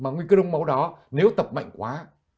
nguy cơ đông máu đó nếu tập mạnh quá